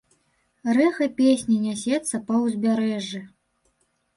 Рэха песні нясецца па ўзбярэжжы.